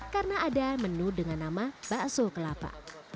karena ada menu dengan nama bakso kelapa